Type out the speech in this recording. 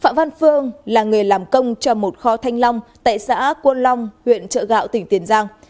phạm văn phương là người làm công cho một kho thanh long tại xã quân long huyện trợ gạo tỉnh tiền giang